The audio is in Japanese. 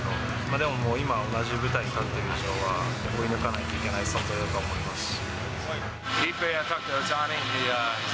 でももう今は、同じ舞台に立っている以上は、追い抜かないといけない存在だと思いますし。